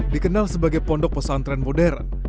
dikenal sebagai pondok pesantren modern